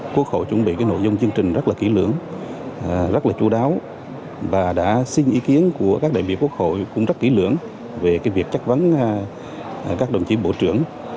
quốc hội chuẩn bị cái nội dung chương trình rất là kỹ lưỡng rất là chú đáo và đã xin ý kiến của các đại biểu quốc hội cũng rất kỹ lưỡng về việc chất vấn các đồng chí bộ trưởng